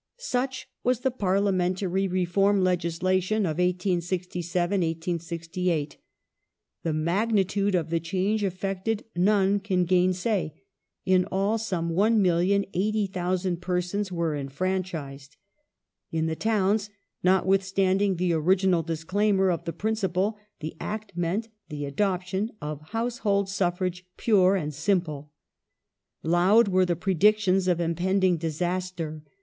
The Re Such was the parliamentary reform legislation of 1867 1868. 1867 1 868* The magnitude of the change effected none can gainsay. In all some 1,080,000 persons were enfranchised. In the towns, notwith standing the original disclaimer of the principle, the Act meant the adoption of " household suffrage pure and simple ". Loud were the predictions of impending disaster.